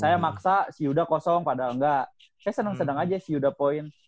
saya maksa si yuda kosong padahal gak saya seneng seneng aja si yuda poin